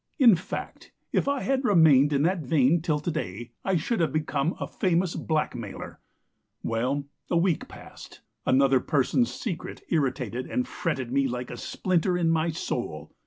In fact, if I had remained in that vein till to day I should have become a famous blackmailer. Well, a week passed. Another person's secret irritated and fretted me like a splinter in my soul.